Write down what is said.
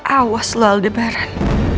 awas lho aldi beran